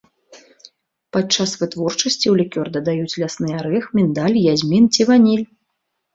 Падчас вытворчасці ў лікёр дадаюць лясны арэх, міндаль, язмін ці ваніль.